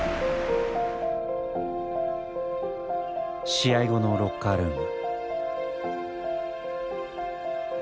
試合後のロッカールーム。